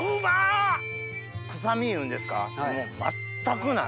臭みいうんですかもう全くない。